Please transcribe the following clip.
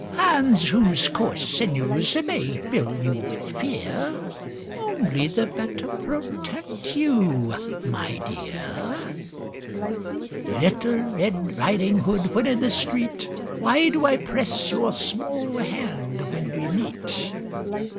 Hands whose coarse sinews may fill you with fear Only the better protect you, my dear! Little Red Riding Hood, when in the street, Why do I press your small hand when we meet?